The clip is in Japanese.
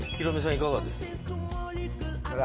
いかがですか？